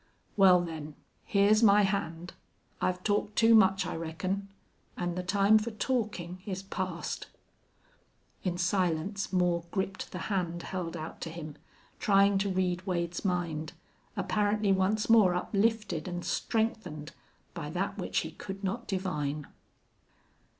"Well, then, here's my hand. I've talked too much, I reckon. An' the time for talkin' is past." In silence Moore gripped the hand held out to him, trying to read Wade's mind, apparently once more uplifted and strengthened by that which he could not divine.